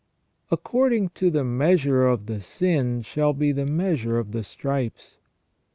" According to the measure of the sin shall be the measure of the stripes."